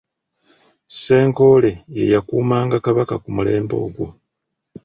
Ssenkoole ye yakuumanga Kabaka ku mulembe ogwo.